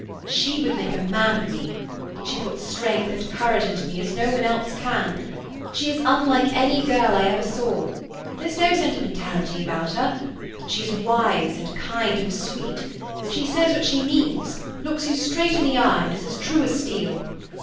"She would make a man of me. She puts strength and courage into me as no one else can. She is unlike any girl I ever saw; there's no sentimentality about her; she is wise, and kind, and sweet. She says what she means, looks you straight in the eye, and is as true as steel.